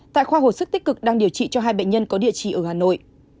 tại khoa hồi sức tích cực đang điều trị cho hai bệnh nhân có địa chỉ ở hà nội